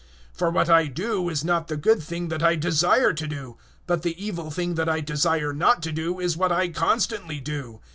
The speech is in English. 007:019 For what I do is not the good thing that I desire to do; but the evil thing that I desire not to do, is what I constantly do.